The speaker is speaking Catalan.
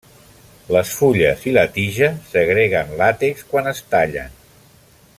Les fulles i la tija segreguen làtex quan es tallen.